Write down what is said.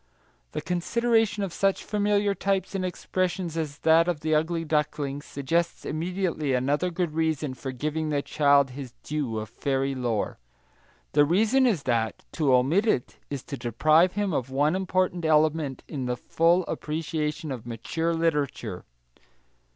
The consideration of such familiar types and expressions as that of the ugly duckling suggests immediately another good reason for giving the child his due of fairy lore. The reason is that to omit it is to deprive him of one important element in the full appreciation of mature literature.